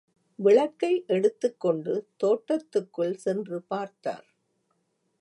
விளக்கை எடுத்துக்கொண்டு தோட்டத்துக்குள் சென்று பார்த்தார்.